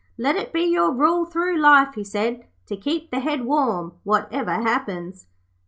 "Let it be your rule through life," he said, "to keep the head warm, whatever happens."'